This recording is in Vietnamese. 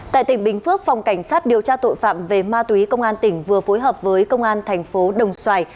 tại tỉnh bình phước phòng cảnh sát điều tra tội phạm về ma túy công an tỉnh vừa phối hợp với công an thành phố đồng xoài